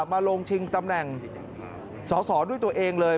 มาลงชิงตำแหน่งสอสอด้วยตัวเองเลย